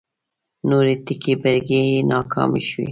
نورې ټگۍ برگۍ یې ناکامې شوې